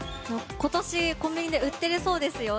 今年、コンビニで売っているそうですよ。